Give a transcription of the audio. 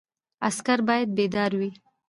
عسکر باید بیدار وي